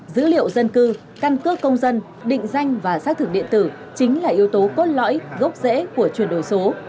dữ liệu dân cư căn cước công dân định danh và xác thực điện tử chính là yếu tố cốt lõi gốc rễ của chuyển đổi số